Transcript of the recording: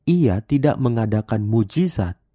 ia tidak mengadakan mujizat